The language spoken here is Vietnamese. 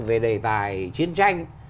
về đề tài chiến tranh